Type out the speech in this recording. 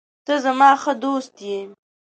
ته زما ښه دوست یې.